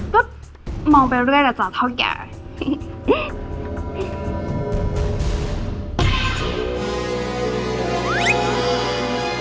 ก็มองไปเรื่อยล่ะจ๊ะเท่าแก่